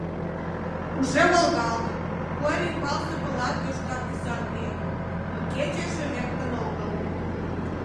Уже волгалтын, куэр ӱмбалсе пылат йошкар тӱсан лийын, но кече эше лектын огыл.